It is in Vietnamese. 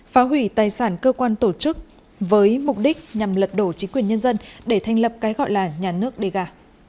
phá hủy tài sản cơ quan tổ chức với mục đích nhằm lật đổ chính quyền nhân dân để thành lập cái gọi là nhà nước đề gà